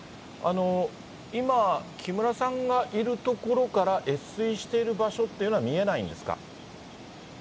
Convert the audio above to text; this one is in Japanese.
今、木村さんがいる所から越水している場所っていうのは見えないんですか？